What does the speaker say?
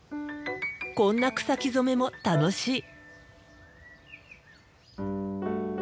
こんな草木染めも楽しい。